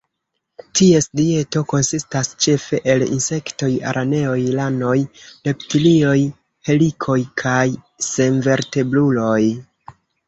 Ties dieto konsistas ĉefe el insektoj, araneoj, ranoj, reptilioj, helikoj kaj senvertebruloj.